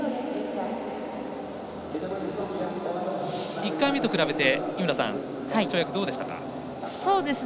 １回目と比べて、井村さん跳躍はどうでしたか。